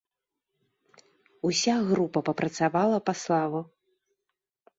Уся група папрацавала па славу.